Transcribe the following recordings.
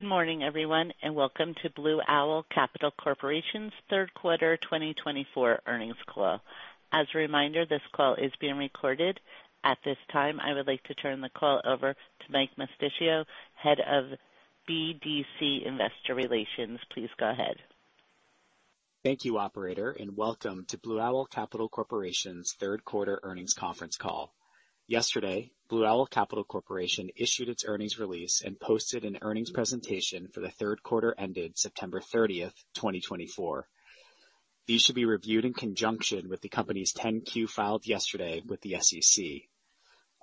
Good morning, everyone, and welcome to Blue Owl Capital Corporation's third quarter 2024 earnings call. As a reminder, this call is being recorded. At this time, I would like to turn the call over to Mike Mosticchio, Head of BDC Investor Relations. Please go ahead. Thank you, operator, and welcome to Blue Owl Capital Corporation's third quarter earnings conference call. Yesterday, Blue Owl Capital Corporation issued its earnings release and posted an earnings presentation for the third quarter ended September 30th, 2024. These should be reviewed in conjunction with the company's 10-Q filed yesterday with the SEC.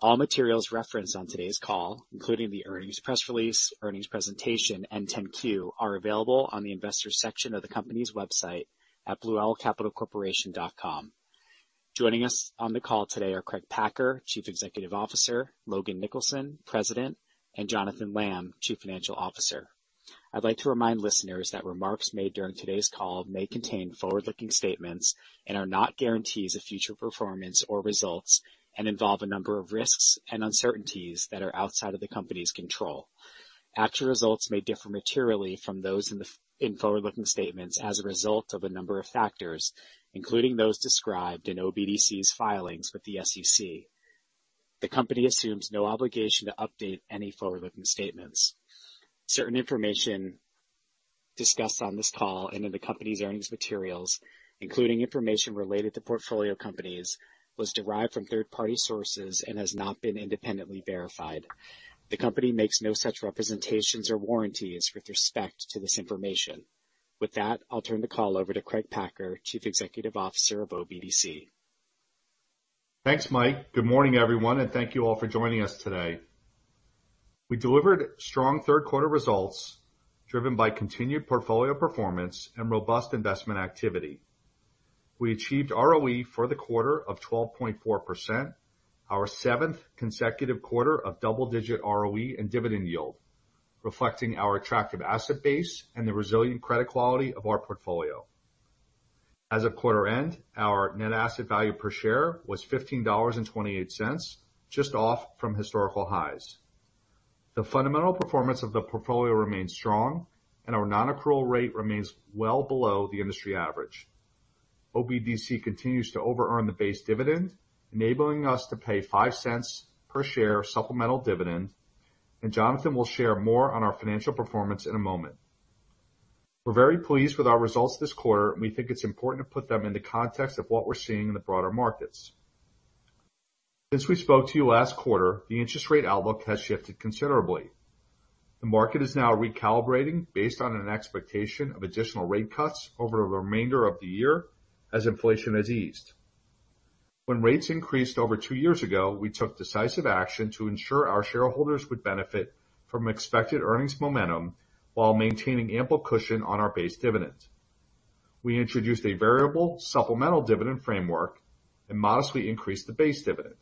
All materials referenced on today's call, including the earnings press release, earnings presentation, and 10-Q, are available on the investor section of the company's website at BlueOwlCapitalCorporation.com. Joining us on the call today are Craig Packer, Chief Executive Officer; Logan Nicholson, President; and Jonathan Lamm, Chief Financial Officer. I'd like to remind listeners that remarks made during today's call may contain forward-looking statements and are not guarantees of future performance or results and involve a number of risks and uncertainties that are outside of the company's control. Actual results may differ materially from those in forward-looking statements as a result of a number of factors, including those described in OBDC's filings with the SEC. The company assumes no obligation to update any forward-looking statements. Certain information discussed on this call and in the company's earnings materials, including information related to portfolio companies, was derived from third-party sources and has not been independently verified. The company makes no such representations or warranties with respect to this information. With that, I'll turn the call over to Craig Packer, Chief Executive Officer of OBDC. Thanks, Mike. Good morning, everyone, and thank you all for joining us today. We delivered strong third-quarter results driven by continued portfolio performance and robust investment activity. We achieved ROE for the quarter of 12.4%, our seventh consecutive quarter of double-digit ROE and dividend yield, reflecting our attractive asset base and the resilient credit quality of our portfolio. As of quarter end, our net asset value per share was $15.28, just off from historical highs. The fundamental performance of the portfolio remains strong, and our non-accrual rate remains well below the industry average. OBDC continues to over-earn the base dividend, enabling us to pay $0.05 per share supplemental dividend, and Jonathan will share more on our financial performance in a moment. We're very pleased with our results this quarter, and we think it's important to put them in the context of what we're seeing in the broader markets. Since we spoke to you last quarter, the interest rate outlook has shifted considerably. The market is now recalibrating based on an expectation of additional rate cuts over the remainder of the year as inflation has eased. When rates increased over two years ago, we took decisive action to ensure our shareholders would benefit from expected earnings momentum while maintaining ample cushion on our base dividend. We introduced a variable supplemental dividend framework and modestly increased the base dividend.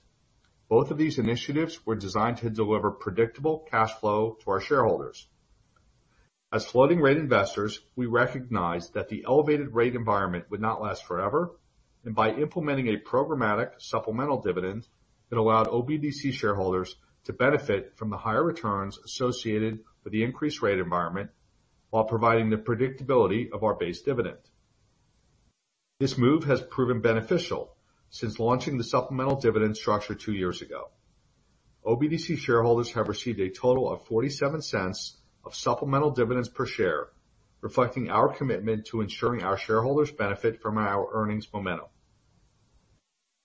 Both of these initiatives were designed to deliver predictable cash flow to our shareholders. As floating-rate investors, we recognize that the elevated rate environment would not last forever, and by implementing a programmatic supplemental dividend, it allowed OBDC shareholders to benefit from the higher returns associated with the increased rate environment while providing the predictability of our base dividend. This move has proven beneficial since launching the supplemental dividend structure two years ago. OBDC shareholders have received a total of $0.47 of supplemental dividends per share, reflecting our commitment to ensuring our shareholders benefit from our earnings momentum.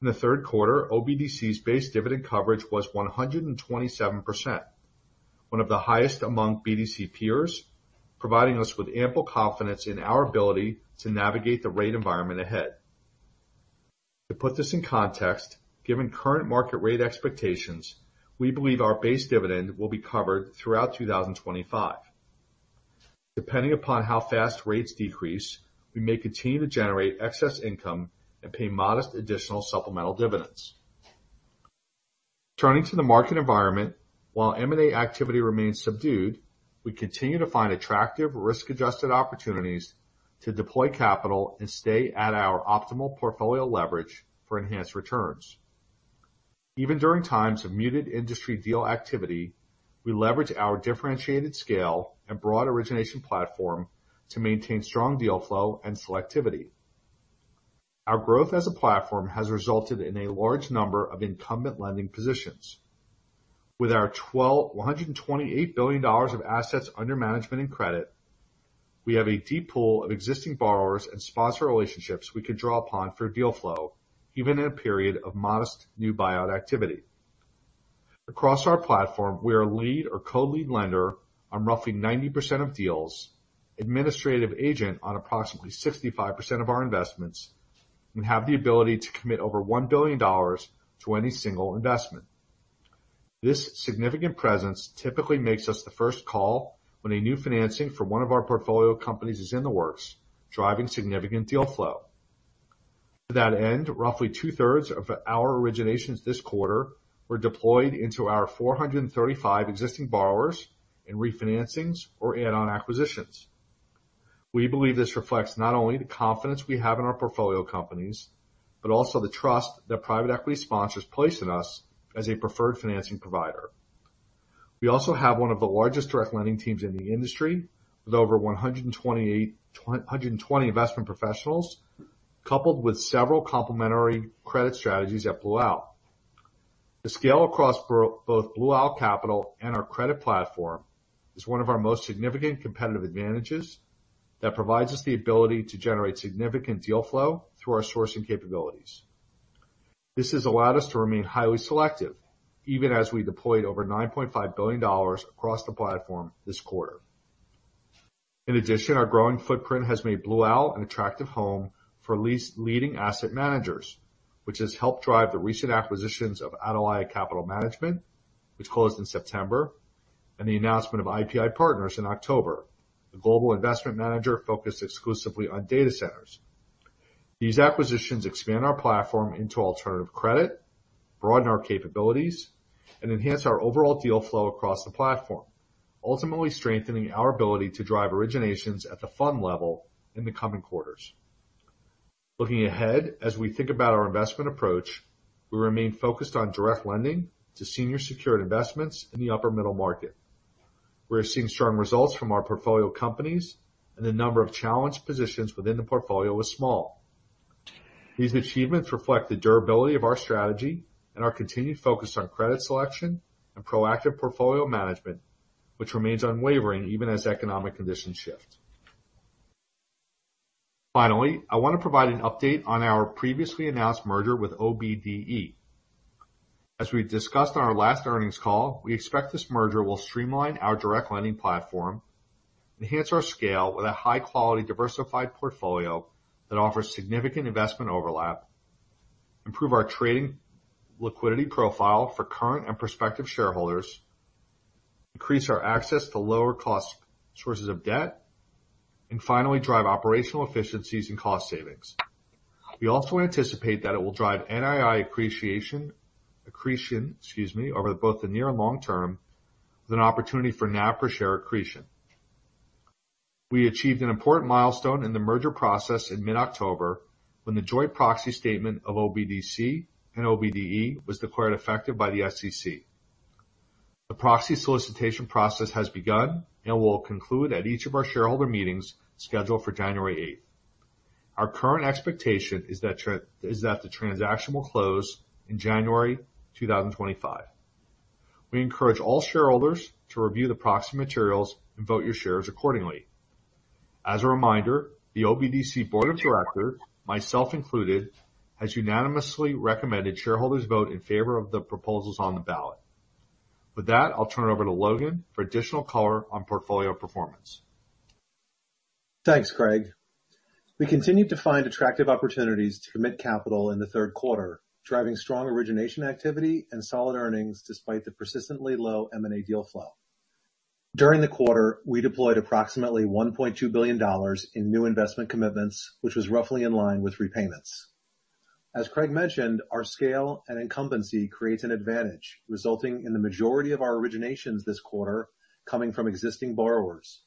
In the third quarter, OBDC's base dividend coverage was 127%, one of the highest among BDC peers, providing us with ample confidence in our ability to navigate the rate environment ahead. To put this in context, given current market rate expectations, we believe our base dividend will be covered throughout 2025. Depending upon how fast rates decrease, we may continue to generate excess income and pay modest additional supplemental dividends. Turning to the market environment, while M&A activity remains subdued, we continue to find attractive risk-adjusted opportunities to deploy capital and stay at our optimal portfolio leverage for enhanced returns. Even during times of muted industry deal activity, we leverage our differentiated scale and broad origination platform to maintain strong deal flow and selectivity. Our growth as a platform has resulted in a large number of incumbent lending positions. With our $128 billion of assets under management and credit, we have a deep pool of existing borrowers and sponsor relationships we can draw upon for deal flow, even in a period of modest new buyout activity. Across our platform, we are lead or co-lead lender on roughly 90% of deals, administrative agent on approximately 65% of our investments, and have the ability to commit over $1 billion to any single investment. This significant presence typically makes us the first call when a new financing for one of our portfolio companies is in the works, driving significant deal flow. To that end, roughly two-thirds of our originations this quarter were deployed into our 435 existing borrowers and refinancings or add-on acquisitions. We believe this reflects not only the confidence we have in our portfolio companies but also the trust that private equity sponsors place in us as a preferred financing provider. We also have one of the largest direct lending teams in the industry with over 120 investment professionals, coupled with several complementary credit strategies at Blue Owl. The scale across both Blue Owl Capital and our credit platform is one of our most significant competitive advantages that provides us the ability to generate significant deal flow through our sourcing capabilities. This has allowed us to remain highly selective, even as we deployed over $9.5 billion across the platform this quarter. In addition, our growing footprint has made Blue Owl an attractive home for leading asset managers, which has helped drive the recent acquisitions of Atalaya Capital Management, which closed in September, and the announcement of IPI Partners in October, a global investment manager focused exclusively on data centers. These acquisitions expand our platform into alternative credit, broaden our capabilities, and enhance our overall deal flow across the platform, ultimately strengthening our ability to drive originations at the fund level in the coming quarters. Looking ahead, as we think about our investment approach, we remain focused on direct lending to senior secured investments in the upper-middle market. We are seeing strong results from our portfolio companies, and the number of challenged positions within the portfolio is small. These achievements reflect the durability of our strategy and our continued focus on credit selection and proactive portfolio management, which remains unwavering even as economic conditions shift. Finally, I want to provide an update on our previously announced merger with OBDE. As we discussed on our last earnings call, we expect this merger will streamline our direct lending platform, enhance our scale with a high-quality, diversified portfolio that offers significant investment overlap, improve our trading liquidity profile for current and prospective shareholders, increase our access to lower-cost sources of debt, and finally drive operational efficiencies and cost savings. We also anticipate that it will drive NII accretion over both the near and long term, with an opportunity for NAV per share accretion. We achieved an important milestone in the merger process in mid-October when the joint proxy statement of OBDC and OBDE was declared effective by the SEC. The proxy solicitation process has begun and will conclude at each of our shareholder meetings scheduled for January 8th. Our current expectation is that the transaction will close in January 2025. We encourage all shareholders to review the proxy materials and vote your shares accordingly. As a reminder, the OBDC Board of Directors, myself included, has unanimously recommended shareholders vote in favor of the proposals on the ballot. With that, I'll turn it over to Logan for additional color on portfolio performance. Thanks, Craig. We continue to find attractive opportunities to commit capital in the third quarter, driving strong origination activity and solid earnings despite the persistently low M&A deal flow. During the quarter, we deployed approximately $1.2 billion in new investment commitments, which was roughly in line with repayments. As Craig mentioned, our scale and incumbency creates an advantage, resulting in the majority of our originations this quarter coming from existing borrowers.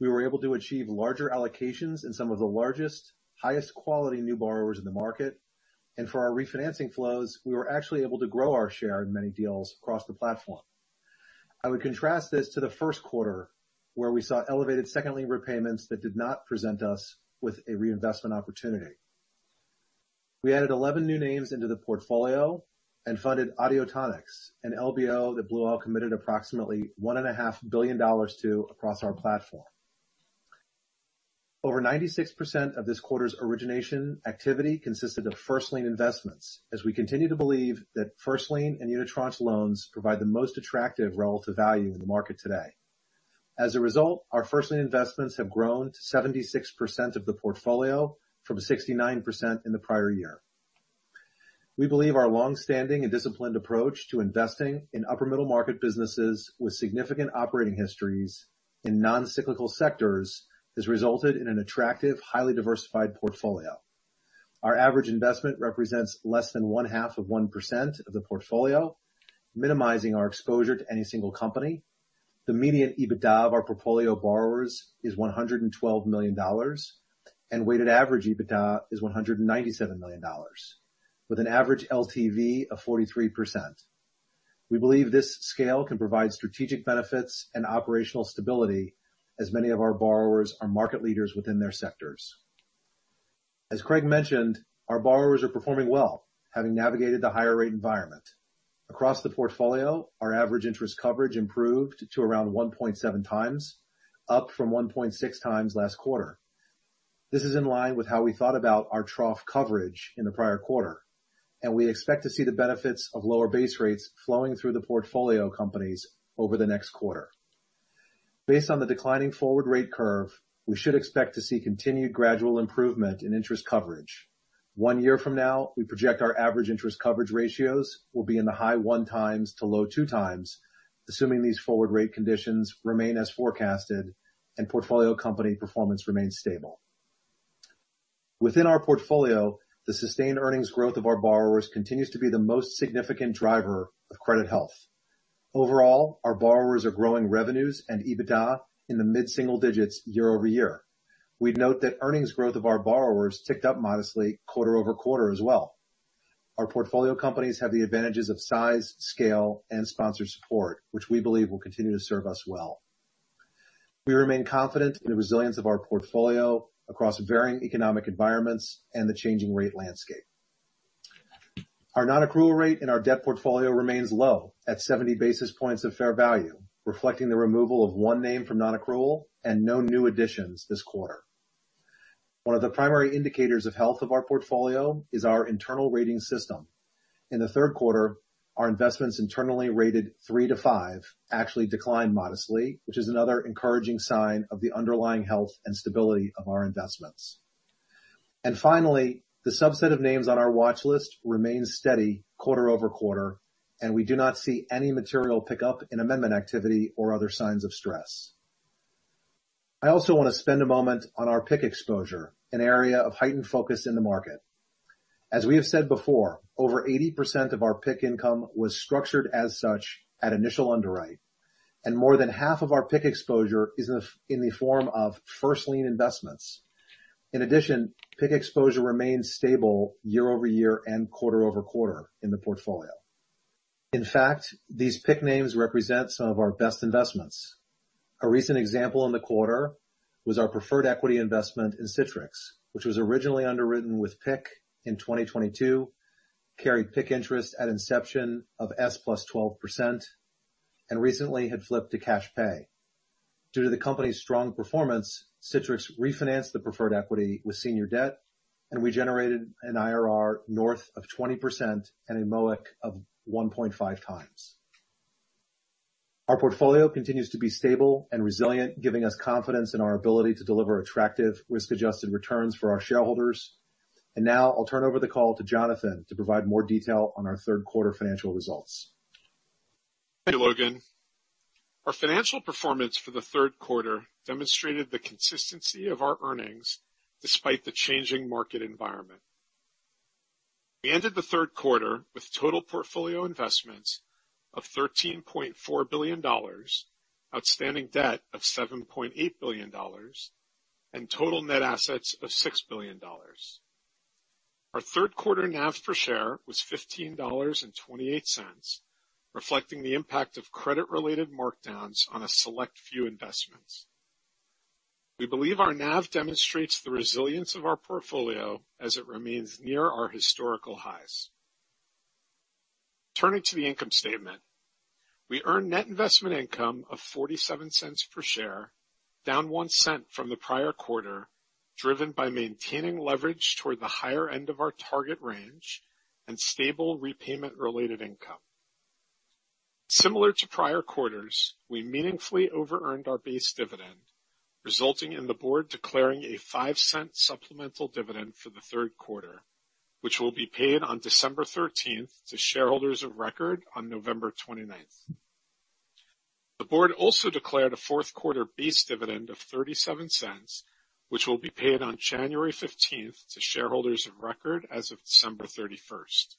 We were able to achieve larger allocations in some of the largest, highest-quality new borrowers in the market, and for our refinancing flows, we were actually able to grow our share in many deals across the platform. I would contrast this to the first quarter, where we saw elevated second lien repayments that did not present us with a reinvestment opportunity. We added 11 new names into the portfolio and funded Audiotonix, an LBO that Blue Owl committed approximately $1.5 billion to across our platform. Over 96% of this quarter's origination activity consisted of first lien investments, as we continue to believe that first lien and unitranche loans provide the most attractive relative value in the market today. As a result, our first lien investments have grown to 76% of the portfolio from 69% in the prior year. We believe our long-standing and disciplined approach to investing in upper-middle market businesses with significant operating histories in non-cyclical sectors has resulted in an attractive, highly diversified portfolio. Our average investment represents less than 0.5% of the portfolio, minimizing our exposure to any single company. The median EBITDA of our portfolio borrowers is $112 million, and weighted average EBITDA is $197 million, with an average LTV of 43%. We believe this scale can provide strategic benefits and operational stability, as many of our borrowers are market leaders within their sectors. As Craig mentioned, our borrowers are performing well, having navigated the higher-rate environment. Across the portfolio, our average interest coverage improved to around 1.7 times, up from 1.6 times last quarter. This is in line with how we thought about our trough coverage in the prior quarter, and we expect to see the benefits of lower base rates flowing through the portfolio companies over the next quarter. Based on the declining forward rate curve, we should expect to see continued gradual improvement in interest coverage. One year from now, we project our average interest coverage ratios will be in the high one times to low two times, assuming these forward rate conditions remain as forecasted and portfolio company performance remains stable. Within our portfolio, the sustained earnings growth of our borrowers continues to be the most significant driver of credit health. Overall, our borrowers are growing revenues and EBITDA in the mid-single digits year-over-year. We note that earnings growth of our borrowers ticked up modestly quarter-over-quarter as well. Our portfolio companies have the advantages of size, scale, and sponsor support, which we believe will continue to serve us well. We remain confident in the resilience of our portfolio across varying economic environments and the changing rate landscape. Our non-accrual rate in our debt portfolio remains low at 70 basis points of fair value, reflecting the removal of one name from non-accrual and no new additions this quarter. One of the primary indicators of health of our portfolio is our internal rating system. In the third quarter, our investments internally rated three to five actually declined modestly, which is another encouraging sign of the underlying health and stability of our investments, and finally, the subset of names on our watch list remains steady quarter-over-quarter, and we do not see any material pickup in amendment activity or other signs of stress. I also want to spend a moment on our PIK exposure, an area of heightened focus in the market. As we have said before, over 80% of our PIK income was structured as such at initial underwrite, and more than half of our PIK exposure is in the form of first lien investments. In addition, PIK exposure remains stable year-over-year and quarter-over-quarter in the portfolio. In fact, these PIK names represent some of our best investments. A recent example in the quarter was our preferred equity investment in Citrix, which was originally underwritten with PIK in 2022, carried PIK interest at inception of SOFR plus 12%, and recently had flipped to cash pay. Due to the company's strong performance, Citrix refinanced the preferred equity with senior debt, and we generated an IRR north of 20% and a MOIC of 1.5 times. Our portfolio continues to be stable and resilient, giving us confidence in our ability to deliver attractive risk-adjusted returns for our shareholders. And now I'll turn over the call to Jonathan to provide more detail on our third-quarter financial results. Thank you, Logan. Our financial performance for the third quarter demonstrated the consistency of our earnings despite the changing market environment. We ended the third quarter with total portfolio investments of $13.4 billion, outstanding debt of $7.8 billion, and total net assets of $6 billion. Our third-quarter NAV per share was $15.28, reflecting the impact of credit-related markdowns on a select few investments. We believe our NAV demonstrates the resilience of our portfolio as it remains near our historical highs. Turning to the income statement, we earned net investment income of $0.47 per share, down one cent from the prior quarter, driven by maintaining leverage toward the higher end of our target range and stable repayment-related income. Similar to prior quarters, we meaningfully over-earned our base dividend, resulting in the board declaring a $0.05 supplemental dividend for the third quarter, which will be paid on December 13th to shareholders of record on November 29th. The board also declared a fourth-quarter base dividend of $0.37, which will be paid on January 15th to shareholders of record as of December 31st.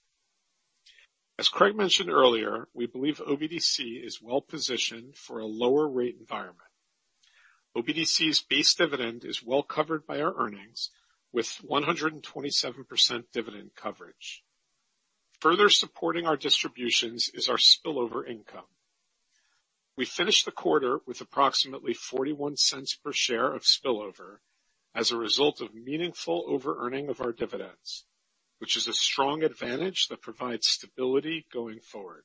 As Craig mentioned earlier, we believe OBDC is well-positioned for a lower-rate environment. OBDC's base dividend is well covered by our earnings, with 127% dividend coverage. Further supporting our distributions is our spillover income. We finished the quarter with approximately $0.41 per share of spillover as a result of meaningful over-earning of our dividends, which is a strong advantage that provides stability going forward.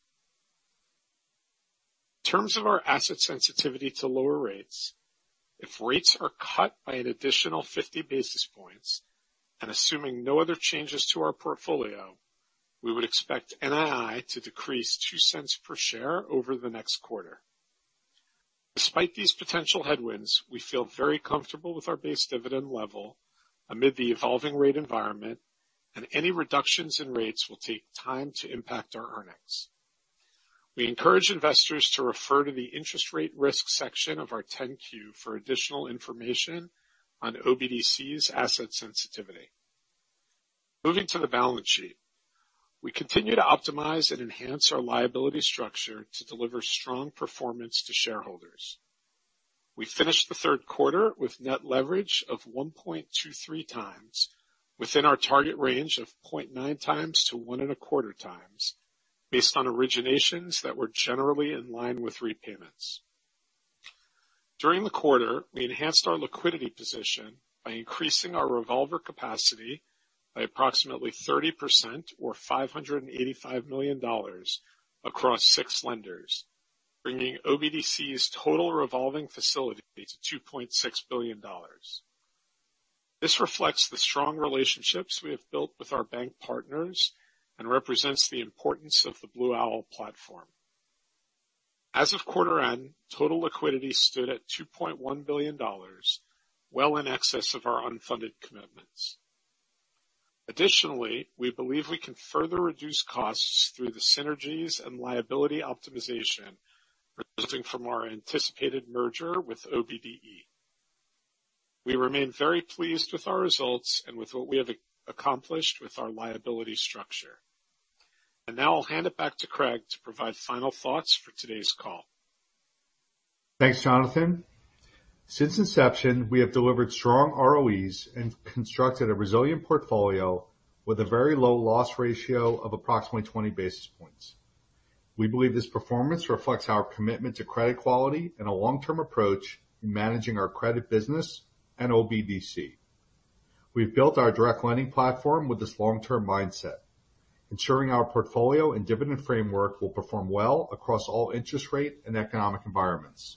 In terms of our asset sensitivity to lower rates, if rates are cut by an additional 50 basis points and assuming no other changes to our portfolio, we would expect NII to decrease $0.02 per share over the next quarter. Despite these potential headwinds, we feel very comfortable with our base dividend level amid the evolving rate environment, and any reductions in rates will take time to impact our earnings. We encourage investors to refer to the interest rate risk section of our 10-Q for additional information on OBDC's asset sensitivity. \Moving to the balance sheet, we continue to optimize and enhance our liability structure to deliver strong performance to shareholders. We finished the third quarter with net leverage of 1.23 times, within our target range of 0.9 times to 1.25 times, based on originations that were generally in line with repayments. During the quarter, we enhanced our liquidity position by increasing our revolver capacity by approximately 30% or $585 million across six lenders, bringing OBDC's total revolving facility to $2.6 billion. This reflects the strong relationships we have built with our bank partners and represents the importance of the Blue Owl platform. As of quarter end, total liquidity stood at $2.1 billion, well in excess of our unfunded commitments. Additionally, we believe we can further reduce costs through the synergies and liability optimization resulting from our anticipated merger with OBDE. We remain very pleased with our results and with what we have accomplished with our liability structure. And now I'll hand it back to Craig to provide final thoughts for today's call. Thanks, Jonathan. Since inception, we have delivered strong ROEs and constructed a resilient portfolio with a very low loss ratio of approximately 20 basis points. We believe this performance reflects our commitment to credit quality and a long-term approach in managing our credit business and OBDC. We've built our direct lending platform with this long-term mindset, ensuring our portfolio and dividend framework will perform well across all interest rate and economic environments.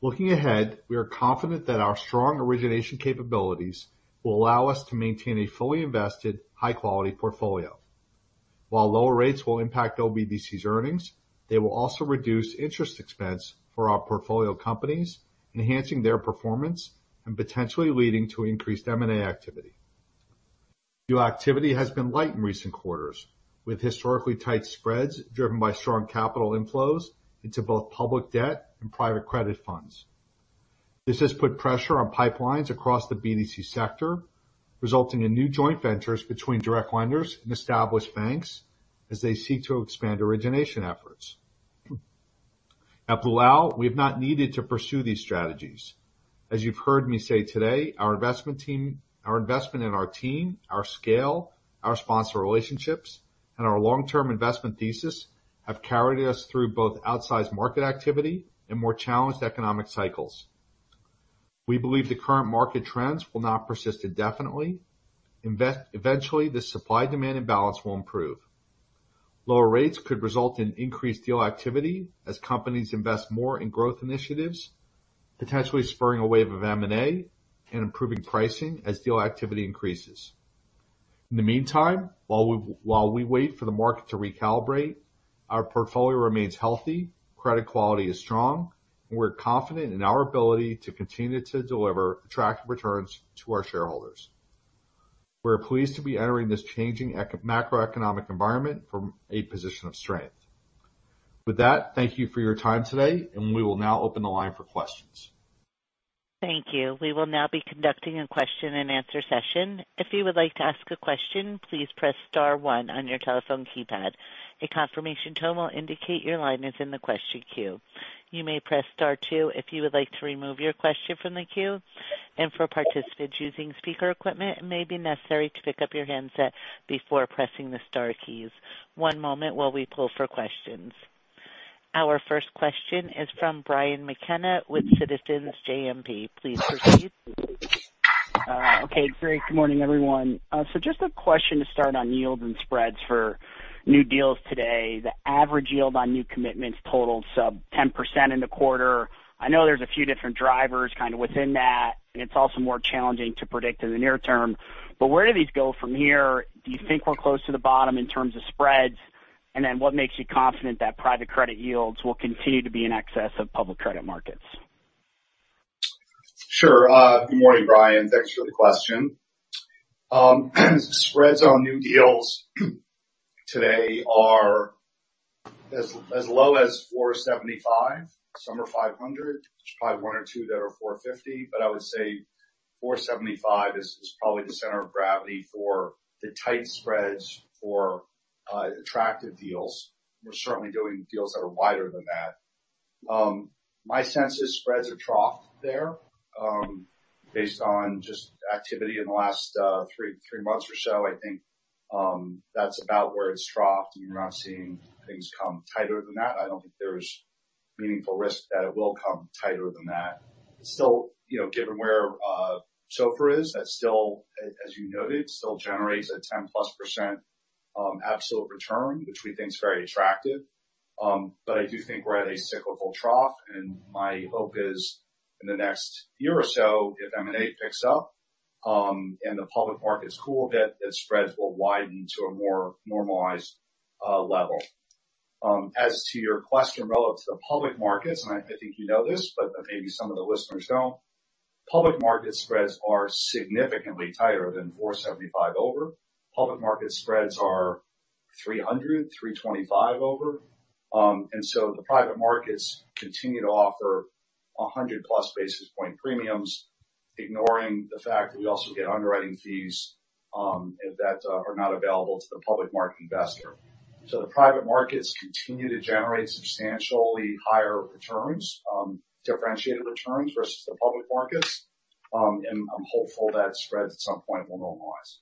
Looking ahead, we are confident that our strong origination capabilities will allow us to maintain a fully invested, high-quality portfolio. While lower rates will impact OBDC's earnings, they will also reduce interest expense for our portfolio companies, enhancing their performance and potentially leading to increased M&A activity. Activity has been light in recent quarters, with historically tight spreads driven by strong capital inflows into both public debt and private credit funds. This has put pressure on pipelines across the BDC sector, resulting in new joint ventures between direct lenders and established banks as they seek to expand origination efforts. At Blue Owl, we have not needed to pursue these strategies. As you've heard me say today, our investment team, our investment in our team, our scale, our sponsor relationships, and our long-term investment thesis have carried us through both outsized market activity and more challenged economic cycles. We believe the current market trends will not persist indefinitely. Eventually, the supply-demand imbalance will improve. Lower rates could result in increased deal activity as companies invest more in growth initiatives, potentially spurring a wave of M&A and improving pricing as deal activity increases. In the meantime, while we wait for the market to recalibrate, our portfolio remains healthy, credit quality is strong, and we're confident in our ability to continue to deliver attractive returns to our shareholders. We're pleased to be entering this changing macroeconomic environment from a position of strength. With that, thank you for your time today, and we will now open the line for questions. Thank you. We will now be conducting a question-and-answer session. If you would like to ask a question, please press star one on your telephone keypad. A confirmation tone will indicate your line is in the question queue. You may press star two if you would like to remove your question from the queue, and for participants using speaker equipment, it may be necessary to pick up your handset before pressing the star keys. One moment while we pull for questions. Our first question is from Brian McKenna with Citizens JMP. Please proceed. Okay, great. Good morning, everyone. So just a question to start on yields and spreads for new deals today. The average yield on new commitments totaled sub 10% in the quarter. I know there's a few different drivers kind of within that, and it's also more challenging to predict in the near term. But where do these go from here? Do you think we're close to the bottom in terms of spreads? And then what makes you confident that private credit yields will continue to be in excess of public credit markets? Sure. Good morning, Brian. Thanks for the question. Spreads on new deals today are as low as 475, some are 500. There's probably one or two that are 450, but I would say 475 is probably the center of gravity for the tight spreads for attractive deals. We're certainly doing deals that are wider than that. My sense is spreads are troughed there based on just activity in the last three months or so. I think that's about where it's troughed, and we're not seeing things come tighter than that. I don't think there's meaningful risk that it will come tighter than that. Still, given where SOFR is, that still, as you noted, still generates a 10-plus% absolute return, which we think is very attractive. But I do think we're at a cyclical trough, and my hope is in the next year or so, if M&A picks up and the public markets cool a bit, that spreads will widen to a more normalized level. As to your question relative to the public markets, and I think you know this, but maybe some of the listeners don't, public market spreads are significantly tighter than 475 over. Public market spreads are 300, 325 over. And so the private markets continue to offer 100-plus basis point premiums, ignoring the fact that we also get underwriting fees that are not available to the public market investor. So the private markets continue to generate substantially higher returns, differentiated returns versus the public markets. And I'm hopeful that spreads at some point will normalize.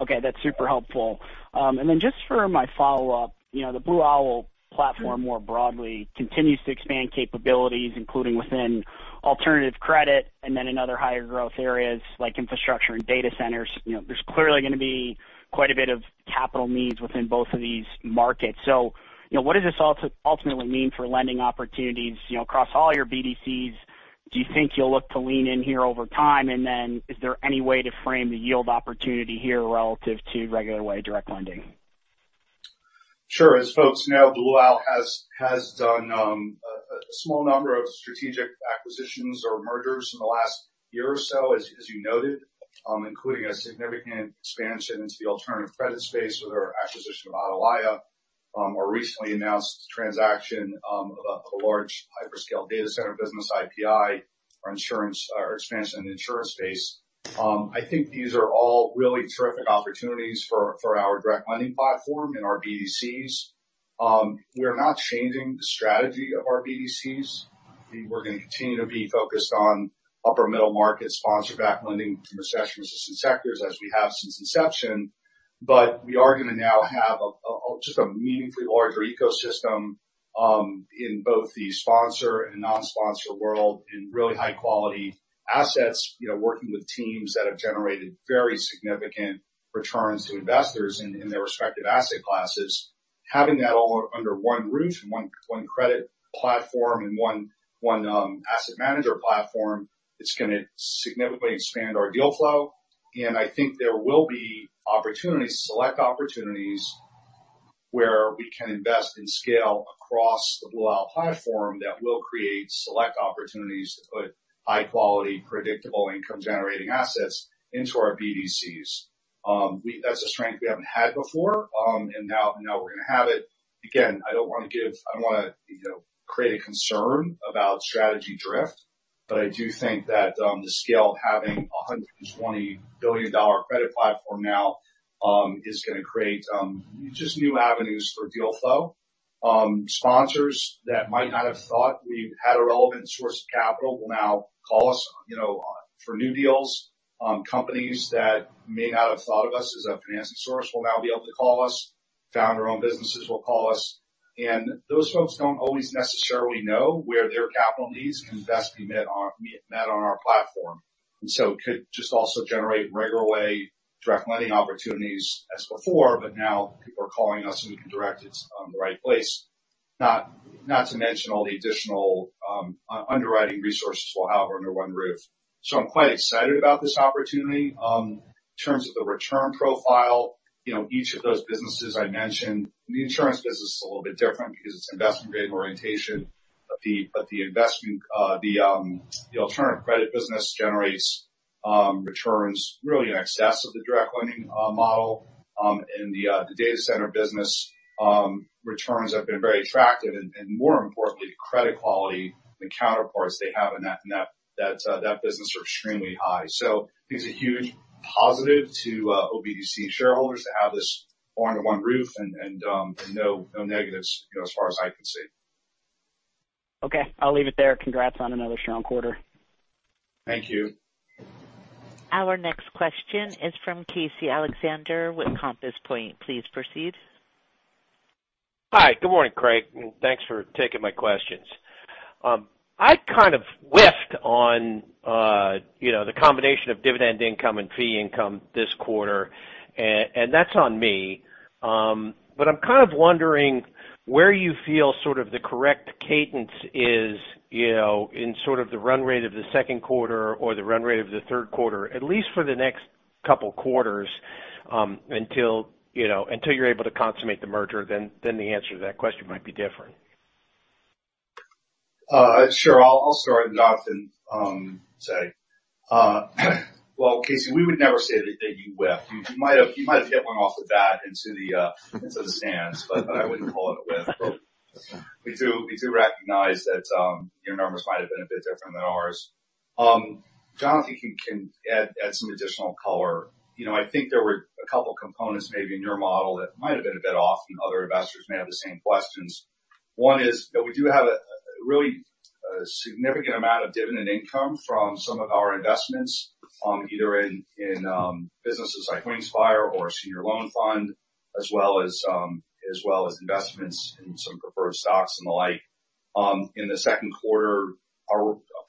Okay, that's super helpful. And then just for my follow-up, the Blue Owl Platform more broadly continues to expand capabilities, including within alternative credit and then in other higher growth areas like infrastructure and data centers. There's clearly going to be quite a bit of capital needs within both of these markets. So what does this ultimately mean for lending opportunities across all your BDCs? Do you think you'll look to lean in here over time? And then is there any way to frame the yield opportunity here relative to regular way direct lending? Sure. As folks know, Blue Owl has done a small number of strategic acquisitions or mergers in the last year or so, as you noted, including a significant expansion into the alternative credit space with our acquisition of Atalaya, our recently announced transaction of a large hyperscale data center business IPI, our expansion in the insurance space. I think these are all really terrific opportunities for our direct lending platform and our BDCs. We're not changing the strategy of our BDCs. We're going to continue to be focused on upper middle market sponsor-backed lending from recession-resistant sectors as we have since inception. But we are going to now have just a meaningfully larger ecosystem in both the sponsor and non-sponsor world in really high-quality assets, working with teams that have generated very significant returns to investors in their respective asset classes. Having that all under one roof and one credit platform and one asset manager platform, it's going to significantly expand our deal flow. And I think there will be opportunities, select opportunities where we can invest and scale across the Blue Owl platform that will create select opportunities to put high-quality, predictable income-generating assets into our BDCs. That's a strength we haven't had before, and now we're going to have it. Again, I don't want to create a concern about strategy drift, but I do think that the scale of having a $120 billion credit platform now is going to create just new avenues for deal flow. Sponsors that might not have thought we had a relevant source of capital will now call us for new deals. Companies that may not have thought of us as a financing source will now be able to call us. Founders-owned businesses will call us, and those folks don't always necessarily know where their capital needs can best be met on our platform, and so it could just also generate regular way direct lending opportunities as before, but now people are calling us and we can direct it to the right place. Not to mention all the additional underwriting resources we'll have under one roof, so I'm quite excited about this opportunity. In terms of the return profile, each of those businesses I mentioned, the insurance business is a little bit different because it's investment-grade orientation, but the alternative credit business generates returns really in excess of the direct lending model, and the data center business returns have been very attractive. More importantly, the credit quality and the counterparties they have in that business are extremely high. I think it's a huge positive to OBDC shareholders to have this one-to-one ratio and no negatives as far as I can see. Okay, I'll leave it there. Congrats on another strong quarter. Thank you. Our next question is from Casey Alexander with Compass Point. Please proceed. Hi, good morning, Craig, and thanks for taking my questions. I kind of whiffed on the combination of dividend income and fee income this quarter, and that's on me, but I'm kind of wondering where you feel sort of the correct cadence is in sort of the run rate of the second quarter or the run rate of the third quarter, at least for the next couple of quarters until you're able to consummate the merger, then the answer to that question might be different. Sure. I'll start at the dollar and say, well, Casey, we would never say that you whiffed. You might have hit one off the bat into the sands, but I wouldn't call it a whiff. We do recognize that your numbers might have been a bit different than ours. Jonathan can add some additional color. I think there were a couple of components maybe in your model that might have been a bit off, and other investors may have the same questions. One is that we do have a really significant amount of dividend income from some of our investments, either in businesses like Wingspire or a senior loan fund, as well as investments in some preferred stocks and the like. In the second quarter,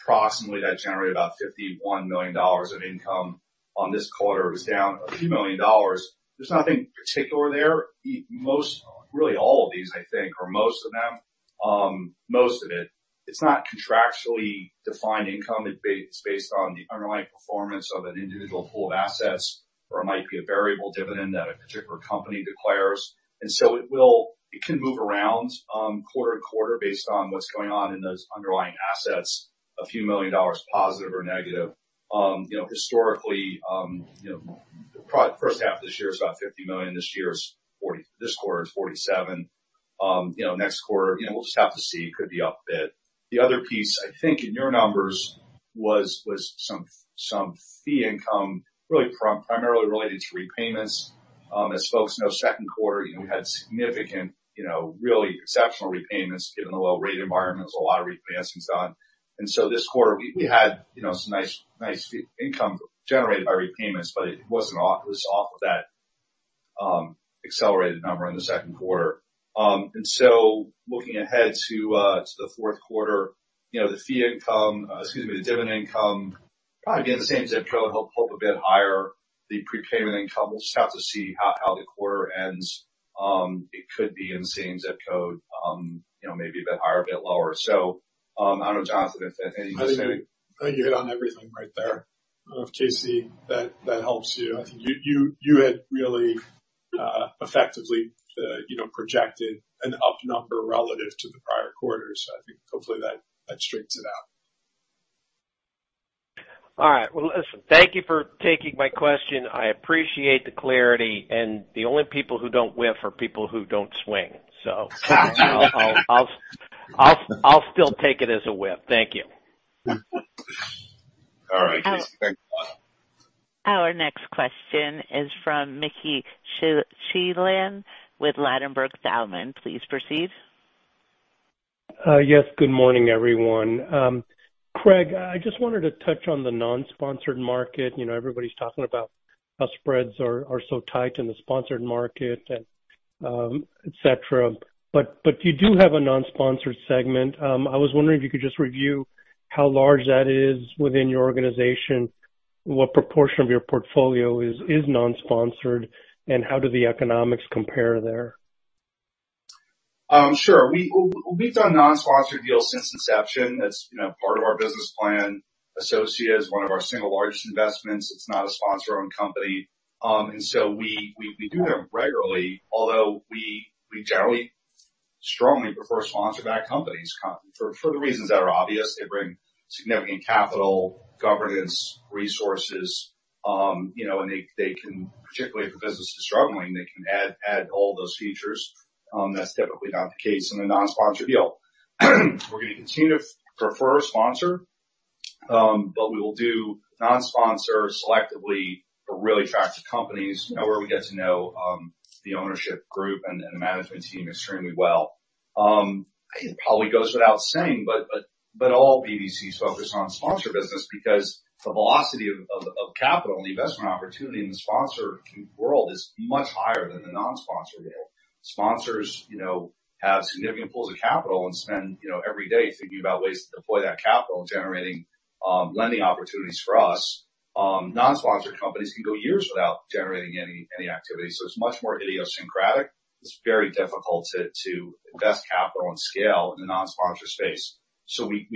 approximately that generated about $51 million of income. This quarter, it was down a few million dollars. There's nothing particular there. Really, all of these, I think, or most of them, most of it, it's not contractually defined income. It's based on the underlying performance of an individual pool of assets or it might be a variable dividend that a particular company declares, and so it can move around quarter to quarter based on what's going on in those underlying assets, a few million dollars positive or negative. Historically, the first half of this year is about $50 million. This quarter is $47 million. Next quarter, we'll just have to see. It could be up a bit. The other piece, I think, in your numbers was some fee income, really primarily related to repayments. As folks know, second quarter, we had significant, really exceptional repayments given the low-rate environment. There was a lot of repayments done. And so this quarter, we had some nice income generated by repayments, but it was off of that accelerated number in the second quarter. And so looking ahead to the fourth quarter, the fee income, excuse me, the dividend income, probably being the same zip code. Hope a bit higher. The prepayment income, we'll just have to see how the quarter ends. It could be in the same zip code, maybe a bit higher, a bit lower. So I don't know, Jonathan, if anything else? I think you hit on everything right there. I don't know if, Casey, that helps you. I think you had really effectively projected an up number relative to the prior quarters. I think hopefully that straightens it out. All right. Well, listen, thank you for taking my question. I appreciate the clarity. And the only people who don't whiff are people who don't swing. So I'll still take it as a whiff. Thank you. All right. Thanks a lot. Our next question is from Mickey Schleien with Ladenburg Thalmann. Please proceed. Yes, good morning, everyone. Craig, I just wanted to touch on the non-sponsored market. Everybody's talking about how spreads are so tight in the sponsored market, etc. But you do have a non-sponsored segment. I was wondering if you could just review how large that is within your organization, what proportion of your portfolio is non-sponsored, and how do the economics compare there. Sure. We've done non-sponsored deals since inception. That's part of our business plan. Associa is one of our single largest investments. It's not a sponsor-owned company. And so we do them regularly, although we generally strongly prefer sponsor-backed companies for the reasons that are obvious. They bring significant capital, governance, resources, and they can, particularly if the business is struggling, they can add all those features. That's typically not the case in a non-sponsored deal. We're going to continue to prefer a sponsor, but we will do non-sponsor selectively for really attractive companies where we get to know the ownership group and the management team extremely well. It probably goes without saying, but all BDCs focus on sponsored business because the velocity of capital and investment opportunity in the sponsored world is much higher than the non-sponsored world. Sponsors have significant pools of capital and spend every day thinking about ways to deploy that capital and generating lending opportunities for us. Non-sponsored companies can go years without generating any activity. So it's much more idiosyncratic. It's very difficult to invest capital and scale in the non-sponsored space. So we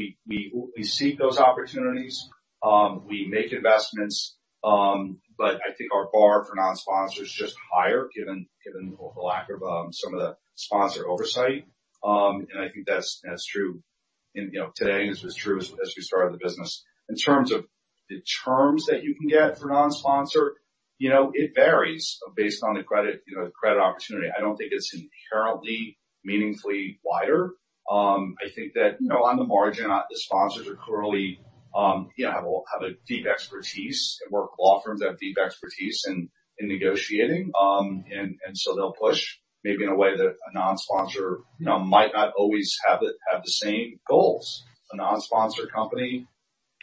seek those opportunities. We make investments, but I think our bar for non-sponsor is just higher given the lack of some of the sponsor oversight. And I think that's true today and it was true as we started the business. In terms of the terms that you can get for non-sponsor, it varies based on the credit opportunity. I don't think it's inherently meaningfully wider. I think that on the margin, the sponsors are clearly have a deep expertise and work law firms have deep expertise in negotiating. And so they'll push maybe in a way that a non-sponsor might not always have the same goals. A non-sponsor company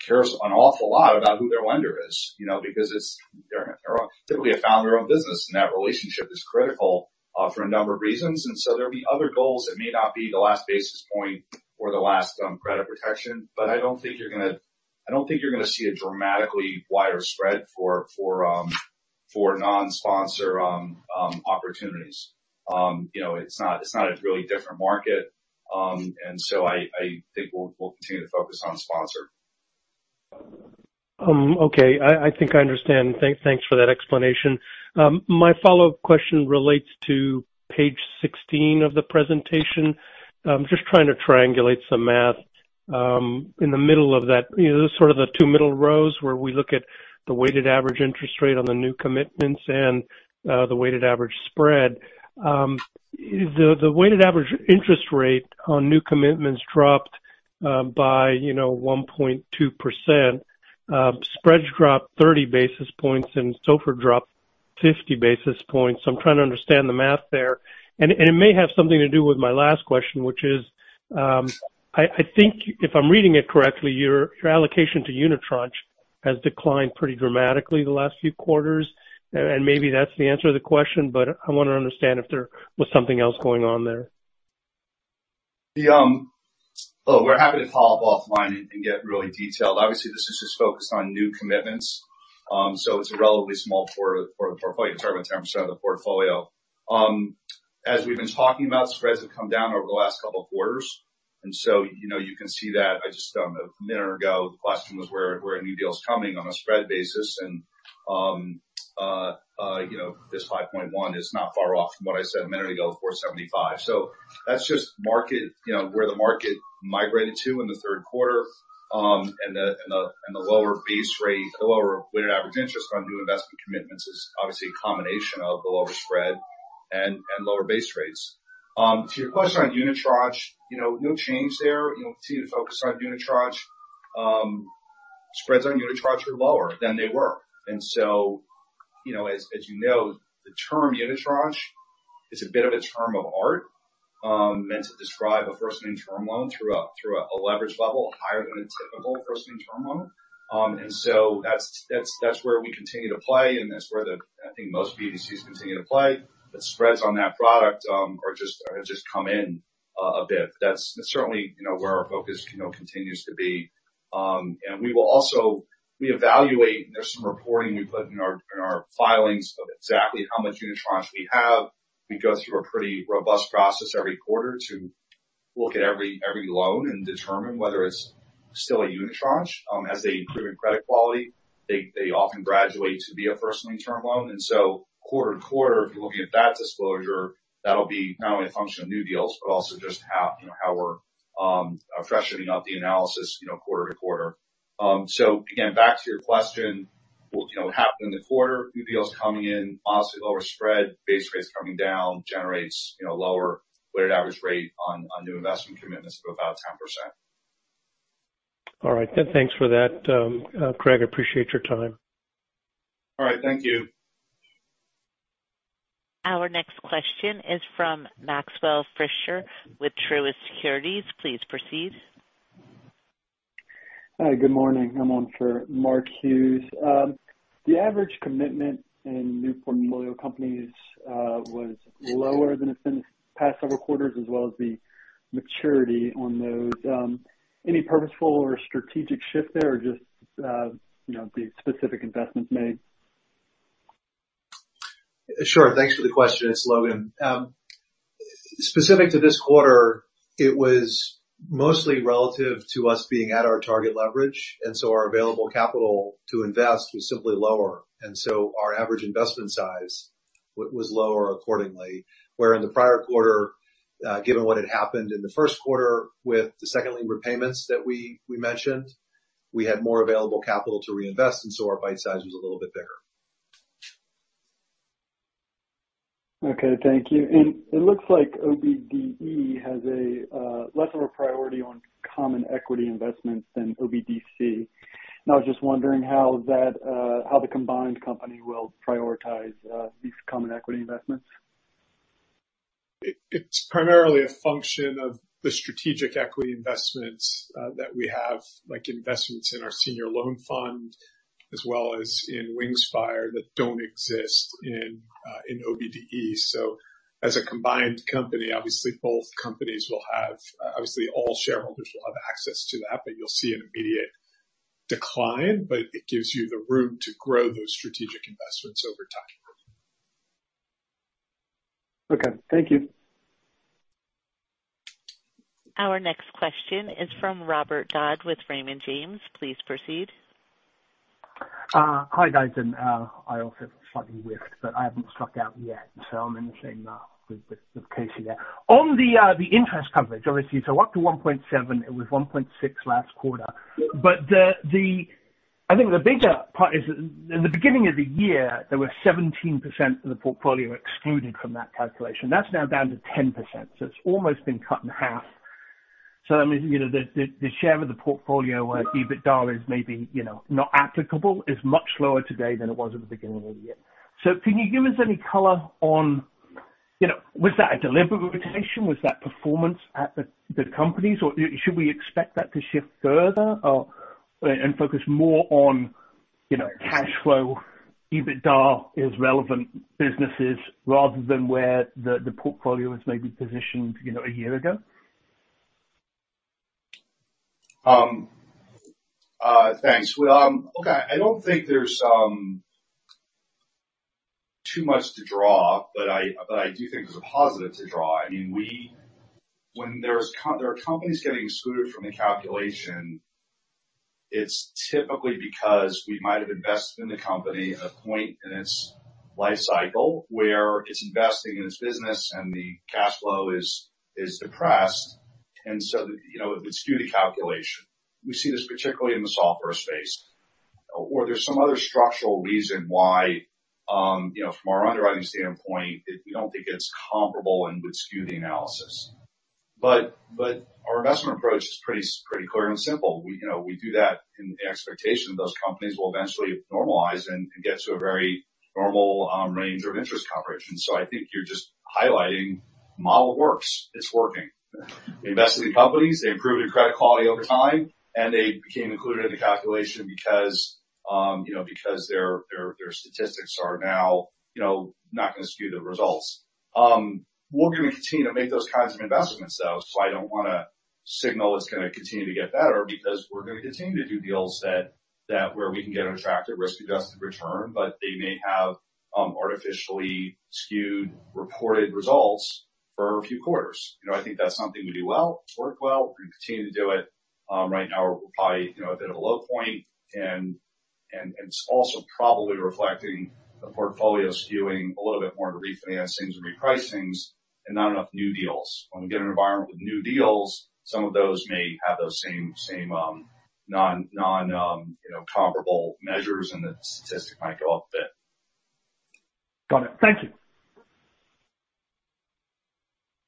cares an awful lot about who their lender is because they're typically a founder-owned business, and that relationship is critical for a number of reasons. And so there will be other goals that may not be the last basis point or the last credit protection. But I don't think you're going to see a dramatically wider spread for non-sponsor opportunities. It's not a really different market. And so I think we'll continue to focus on sponsor. Okay. I think I understand. Thanks for that explanation. My follow-up question relates to page 16 of the presentation. I'm just trying to triangulate some math. In the middle of that, sort of the two middle rows where we look at the weighted average interest rate on the new commitments and the weighted average spread. The weighted average interest rate on new commitments dropped by 1.2%. Spreads dropped 30 basis points, and SOFR dropped 50 basis points. I'm trying to understand the math there, and it may have something to do with my last question, which is I think if I'm reading it correctly, your allocation to unitranche has declined pretty dramatically the last few quarters, and maybe that's the answer to the question, but I want to understand if there was something else going on there. Oh, we're happy to follow up offline and get really detailed. Obviously, this is just focused on new commitments. So it's a relatively small portfolio, 30% of the portfolio. As we've been talking about, spreads have come down over the last couple of quarters, and so you can see that. I just, a minute ago, the question was where a new deal is coming on a spread basis. And this 5.1 is not far off from what I said a minute ago, 475. So that's just where the market migrated to in the third quarter, and the lower base rate, the lower weighted average interest on new investment commitments, is obviously a combination of the lower spread and lower base rates. To your question on unitranche, no change there. Continue to focus on unitranche. Spreads on unitranche are lower than they were. And so, as you know, the term unitranche is a bit of a term of art meant to describe a first-lien term loan through a leverage level higher than a typical first-lien term loan. And so that's where we continue to play, and that's where I think most BDCs continue to play. But spreads on that product have just come in a bit. That's certainly where our focus continues to be. And we evaluate, and there's some reporting we put in our filings of exactly how much unitranche we have. We go through a pretty robust process every quarter to look at every loan and determine whether it's still a unitranche. As they improve in credit quality, they often graduate to be a first-lien term loan. And so quarter to quarter, if you're looking at that disclosure, that'll be not only a function of new deals, but also just how we're freshening up the analysis quarter to quarter. So again, back to your question, what happened in the quarter, new deals coming in, obviously lower spread, base rates coming down, generates lower weighted average rate on new investment commitments of about 10%. All right. Thanks for that, Craig. I appreciate your time. All right. Thank you. Our next question is from Maxwell Fritscher with Truist Securities. Please proceed. Hi, good morning. I'm on for Mark Hughes. The average commitment in new portfolio companies was lower than it's been the past several quarters, as well as the maturity on those. Any purposeful or strategic shift there or just the specific investments made? Sure. Thanks for the question. It's Logan. Specific to this quarter, it was mostly relative to us being at our target leverage. And so our available capital to invest was simply lower. And so our average investment size was lower accordingly. Where in the prior quarter, given what had happened in the first quarter with the second lien repayments that we mentioned, we had more available capital to reinvest, and so our bite size was a little bit bigger. Okay. Thank you. And it looks like OBDE has less of a priority on common equity investments than OBDC. Now, I was just wondering how the combined company will prioritize these common equity investments. It's primarily a function of the strategic equity investments that we have, like investments in our senior loan fund, as well as in Wingspire that don't exist in OBDE. So as a combined company, obviously, both companies will have obviously, all shareholders will have access to that, but you'll see an immediate decline. But it gives you the room to grow those strategic investments over time. Okay. Thank you. Our next question is from Robert Dodd with Raymond James. Please proceed. Hi, guys. And I also have a slight whiff, but I haven't struck out yet. So I'm in the same boat with Casey there. On the interest coverage, obviously, so up to 1.7, it was 1.6 last quarter. But I think the bigger part is in the beginning of the year, there were 17% of the portfolio excluded from that calculation. That's now down to 10%. So it's almost been cut in half. So I mean, the share of the portfolio where EBITDA is maybe not applicable is much lower today than it was at the beginning of the year. So can you give us any color on was that a deliberate rotation? Was that performance at the companies? Or should we expect that to shift further and focus more on cash flow, EBITDA is relevant businesses rather than where the portfolio was maybe positioned a year ago? Thanks. Well, okay. I don't think there's too much to draw, but I do think there's a positive to draw. I mean, when there are companies getting excluded from the calculation, it's typically because we might have invested in the company at a point in its life cycle where it's investing in its business and the cash flow is depressed. And so it would skew the calculation. We see this particularly in the software space. Or there's some other structural reason why, from our underwriting standpoint, we don't think it's comparable and would skew the analysis. But our investment approach is pretty clear and simple. We do that in the expectation that those companies will eventually normalize and get to a very normal range of interest coverage. And so I think you're just highlighting model works. It's working. We invested in companies. They improved in credit quality over time, and they became included in the calculation because their statistics are now not going to skew the results. We're going to continue to make those kinds of investments, though. So I don't want to signal it's going to continue to get better because we're going to continue to do deals where we can get an attractive risk-adjusted return, but they may have artificially skewed reported results for a few quarters. I think that's something we do well. It's worked well. We're going to continue to do it. Right now, we're probably a bit at a low point. And it's also probably reflecting the portfolio skewing a little bit more to refinancings and repricings and not enough new deals. When we get an environment with new deals, some of those may have those same non-comparable measures, and the statistic might go up a bit. Got it. Thank you.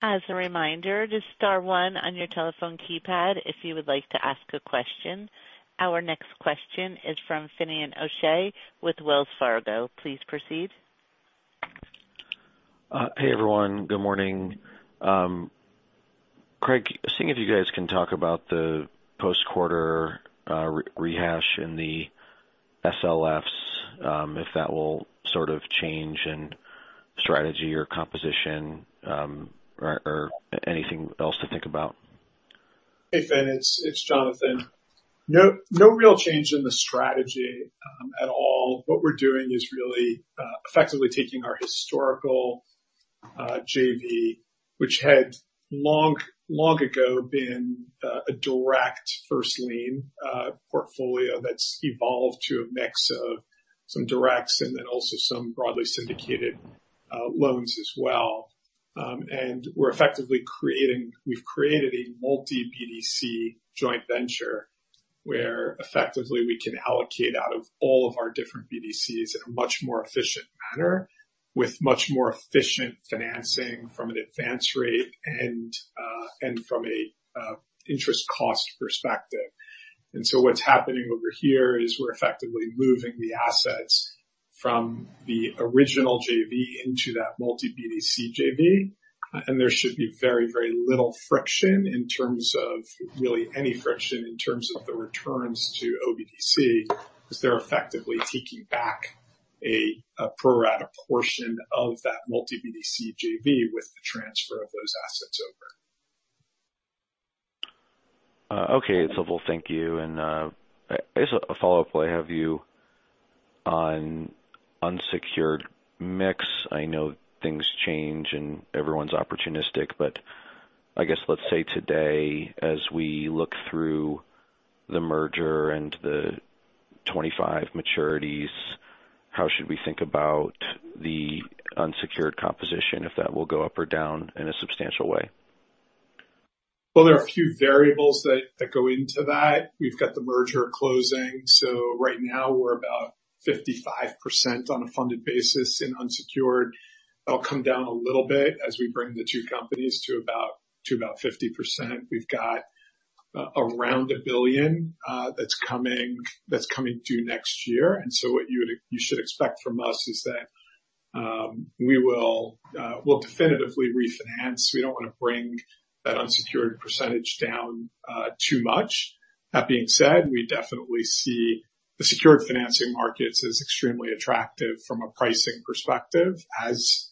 As a reminder, just star one on your telephone keypad if you would like to ask a question. Our next question is from Finian O'Shea with Wells Fargo. Please proceed. Hey, everyone. Good morning. Craig, seeing if you guys can talk about the post-quarter rehash in the SLFs, if that will sort of change in strategy or composition or anything else to think about? Hey, Finn. It's Jonathan. No real change in the strategy at all. What we're doing is really effectively taking our historical JV, which had long ago been a direct first lien portfolio that's evolved to a mix of some directs and then also some broadly syndicated loans as well. And we're effectively we've created a multi-BDC joint venture where effectively we can allocate out of all of our different BDCs in a much more efficient manner with much more efficient financing from an advance rate and from an interest cost perspective. And so what's happening over here is we're effectively moving the assets from the original JV into that multi-BDC JV. There should be very, very little friction in terms of really any friction in terms of the returns to OBDC because they're effectively taking back a pro-rata portion of that multi-BDC JV with the transfer of those assets over. Okay. It's helpful. Thank you. And I guess a follow-up I have for you on unsecured mix. I know things change and everyone's opportunistic, but I guess let's say today, as we look through the merger and the 25 maturities, how should we think about the unsecured composition, if that will go up or down in a substantial way? There are a few variables that go into that. We've got the merger closing, so right now, we're about 55% on a funded basis in unsecured. That'll come down a little bit as we bring the two companies to about 50%. We've got around $1 billion that's coming due next year, and so what you should expect from us is that we will definitively refinance. We don't want to bring that unsecured percentage down too much. That being said, we definitely see the secured financing markets as extremely attractive from a pricing perspective as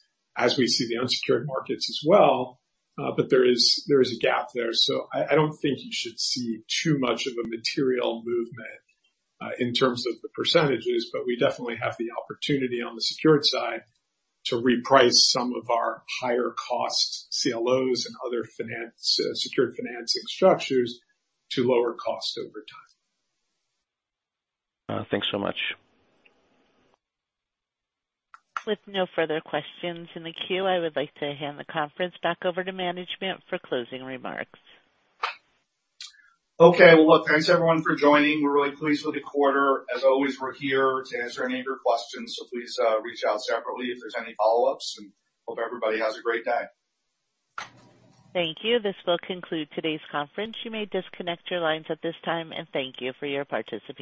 we see the unsecured markets as well, but there is a gap there. So I don't think you should see too much of a material movement in terms of the percentages, but we definitely have the opportunity on the secured side to reprice some of our higher-cost CLOs and other secured financing structures to lower cost over time. Thanks so much. With no further questions in the queue, I would like to hand the conference back over to management for closing remarks. Okay. Well, look, thanks everyone for joining. We're really pleased with the quarter. As always, we're here to answer any of your questions. So please reach out separately if there's any follow-ups, and hope everybody has a great day. Thank you. This will conclude today's conference. You may disconnect your lines at this time, and thank you for your participation.